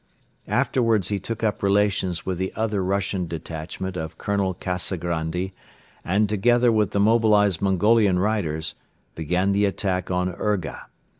Afterwards he took up relations with the other Russian detachment of Colonel Kazagrandi and, together with the mobilized Mongolian riders, began the attack on Urga.